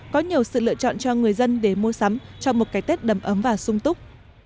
có nhiều sự lựa chọn cho người dân để mua sắm cho một cái tết đầm ấm và sung túc